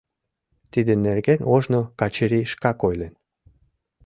Тидын нерген ожно Качырий шкак ойлен.